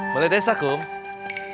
mulai desa kum